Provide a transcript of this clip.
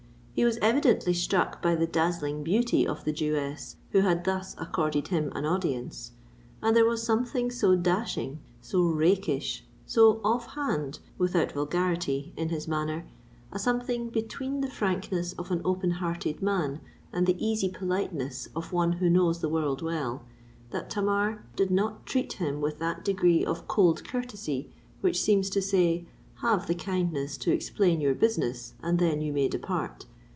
He was evidently struck by the dazzling beauty of the Jewess who had thus accorded him an audience; and there was something so dashing—so rakish—so off hand, without vulgarity, in his manner,—a something between the frankness of an open hearted man and the easy politeness of one who knows the world well,—that Tamar did not treat him with that degree of cold courtesy which seems to say, "Have the kindness to explain your business, and then you may depart."